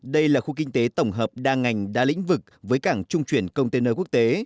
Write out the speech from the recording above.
đây là khu kinh tế tổng hợp đa ngành đa lĩnh vực với cảng trung chuyển công tên nơi quốc tế